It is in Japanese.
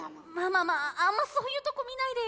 まあまああんまそういうとこ見ないでよ。